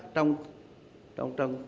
trong trong trong